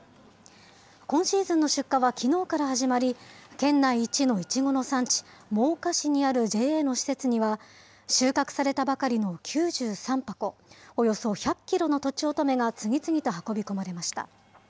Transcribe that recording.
今シーズンの出荷はきのうから始まり、県内一のいちごの産地、真岡市にあるＪＡの施設には、収穫されたばかりの９３箱、およそ１００キロのとちおとめが次々と運び込まれました。